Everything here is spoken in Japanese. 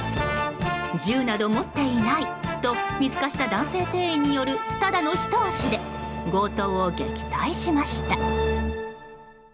銃など持っていないと見透かした男性店員によるただのひと押しで強盗を撃退しました。